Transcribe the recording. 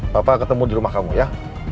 bapak ketemu di rumah kamu ya